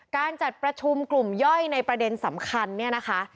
การจัดประชุมกลุ่มย่อยในประเด็นสำคัญเนี่ยนะคะ